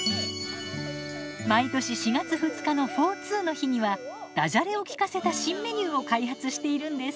毎年４月２日のフォーツーの日にはダジャレをきかせた新メニューを開発しているんです。